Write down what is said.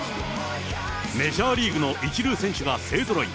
メジャーリーグの一流選手が勢ぞろい。